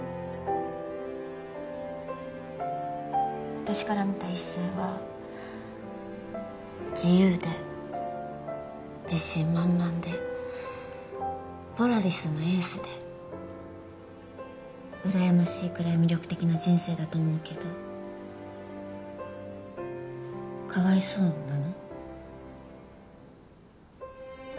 私から見た一星は自由で自信満々でポラリスのエースでうらやましいくらい魅力的な人生だと思うけどかわいそうなの？